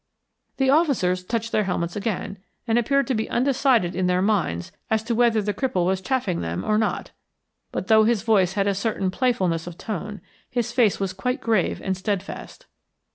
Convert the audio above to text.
The officers touched their helmets again, and appeared to be undecided in their minds as to whether the cripple was chaffing them or not. But though his voice had a certain playfulness of tone, his face was quite grave and steadfast.